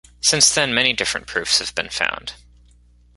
Since then, many different proofs have been found.